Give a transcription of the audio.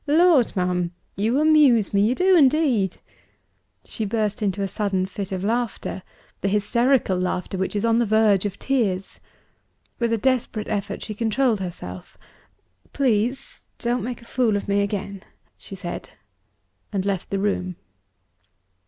Lord, ma'am! you amuse me you do indeed!" She burst into a sudden fit of laughter; the hysterical laughter which is on the verge of tears. With a desperate effort, she controlled herself. "Please, don't make a fool of me again," she said and left the room.